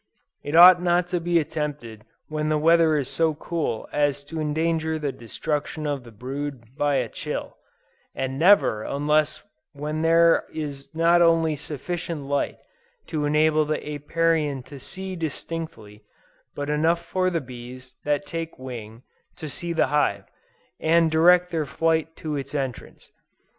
It ought not to be attempted when the weather is so cool as to endanger the destruction of the brood, by a chill; and never unless when there is not only sufficient light to enable the Apiarian to see distinctly, but enough for the bees that take wing, to see the hive, and direct their flight to its entrance.